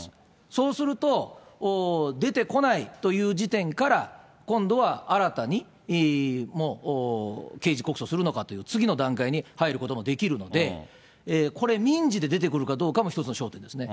そうすると、出てこないという時点から、今度は新たにもう刑事告訴するのかという、次の段階に入ることもできるので、これ民事でくるかどうかも一つの焦点ですね。